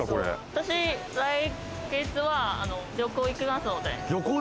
私、来月は旅行行きますので。